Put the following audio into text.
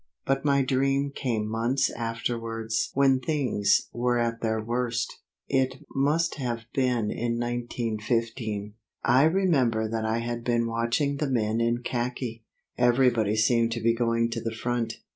but my dream came months afterwards when things were at their worst. It must have been in 1915. I remember that I had been watching the men in khaki. Everybody seemed to be going to the front.